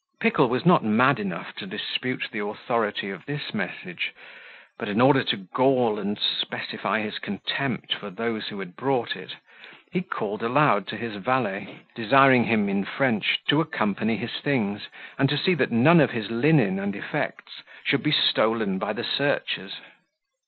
Pickle was not mad enough to dispute the authority of this message; but in order to gall and specify his contempt for those who brought it, he called aloud to his valet, desiring him, in French, to accompany his things, and see that none of his linen and effects should be stolen by the searchers.